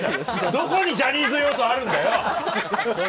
どこにジャニーズ要素あるんだよ。